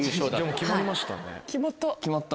決まった。